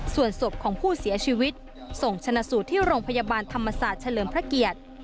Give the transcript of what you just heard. ส่วนศพของผู้เสียชีวิตส่งชนะสูตรที่โรงพยาบาลธรรมศาสตร์เฉลิมพระเกียรติ